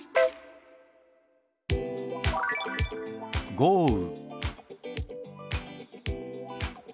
「豪雨」。